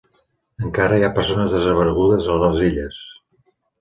Encara hi ha persones desaparegudes a les Illes